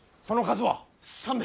その数は。